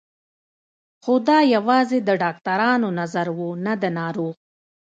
خو دا يوازې د ډاکترانو نظر و نه د ناروغ.